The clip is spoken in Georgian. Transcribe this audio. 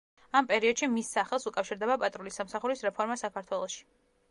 ამ პერიოდში მის სახელს უკავშირდება პატრულის სამსახურის რეფორმა საქართველოში.